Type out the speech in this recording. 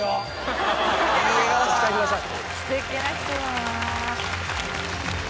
ご期待ください。